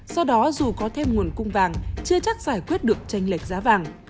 do đó dù có thêm nguồn cung vàng chưa chắc giải quyết được tranh lệch giá vàng